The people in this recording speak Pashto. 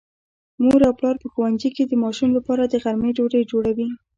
مور او پلار په ښوونځي کې د ماشوم لپاره د غرمې ډوډۍ جوړوي.